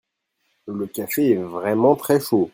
le café est vraiment très chaud.